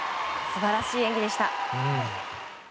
素晴らしい演技でした。